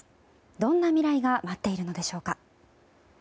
どんな未来が待っているのでしょうか。